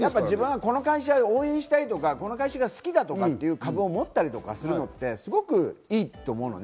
この会社を応援したいとか、この会社が好きと思って、株を持ったりするのは、すごくいいと思うのね。